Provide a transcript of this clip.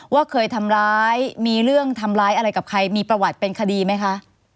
ว่าเคยทำร้ายมีเรื่องทำร้ายอะไรกับใครมีประวัติเป็นคดีไหมคะ